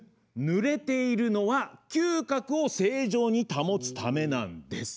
ぬれているのは嗅覚を正常に保つためなんです。